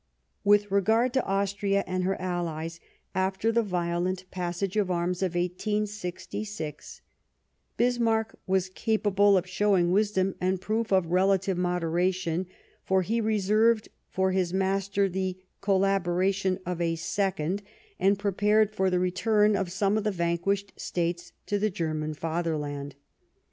With regard to Austria and her Allies, after the violent passage of arms of 1866, Bismarck was capable of showing wisdom and proof of relative moderation, for he reserved for his master the collaboration of a " second," and prepared for the return of some of the vanquished States to the German Fatherland.